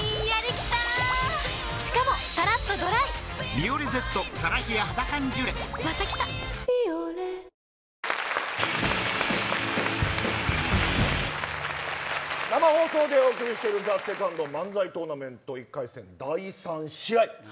「ビオレ」生放送でお送りしているＴＨＥＳＥＣＯＮＤ漫才トーナメント１回戦、第３試合。